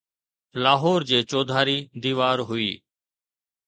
لاهور جي چوڌاري ديوار هئي